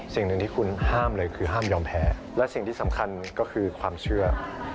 สิ่งหนึ่งที่คุณห้ามเลยคือห้ามยอมแพ้และสิ่งที่สำคัญก็คือความเชื่อ